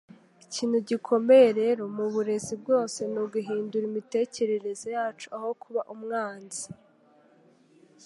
Ikintu gikomeye rero, mu burezi bwose, ni uguhindura imitekerereze yacu aho kuba umwanzi.”